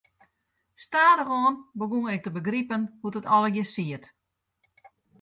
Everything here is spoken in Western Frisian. Stadichoan begûn ik te begripen hoe't it allegearre siet.